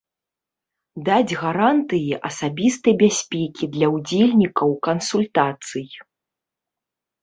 Даць гарантыі асабістай бяспекі для ўдзельнікаў кансультацый.